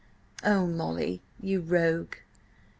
"Oh, Molly, you rogue!"